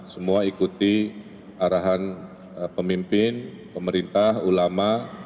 semua ikuti arahan pemimpin pemerintah ulama